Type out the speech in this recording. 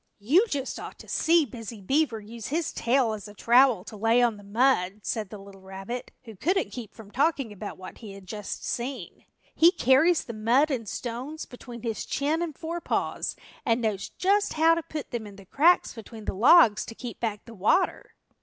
"You just ought to see Busy Beaver use his tail as a trowel to lay on the mud," said the little rabbit, who couldn't keep from talking about what he had just seen. "He carries the mud and stones between his chin and forepaws and knows just how to put them in the cracks between the logs to keep back the water."